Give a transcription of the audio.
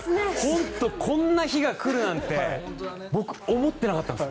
本当にこんな日が来るなんて僕、思ってなかったんです。